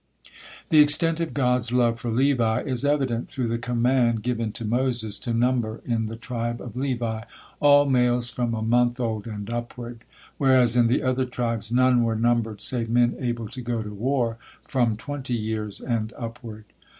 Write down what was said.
The extent of God's love for Levi is evident through the command given to Moses, to number in the tribe of Levi "all males from a month old and upward," whereas in the other tribes none were numbered save men able to go to war, from twenty years and upward.